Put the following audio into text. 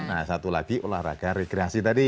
nah satu lagi olahraga rekreasi tadi